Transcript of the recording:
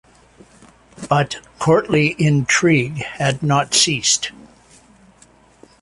But courtly intrigue had not ceased.